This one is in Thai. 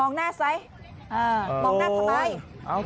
มองหน้าไซค์